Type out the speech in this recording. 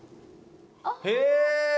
へえ！